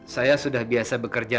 saya sudah biasa berkata kata